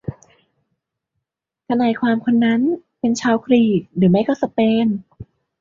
ทนายความคนนั้นเป็นชาวกรีกหรือไม่ก็สเปน